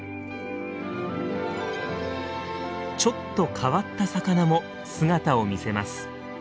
ちょっと変わった魚も姿を見せます。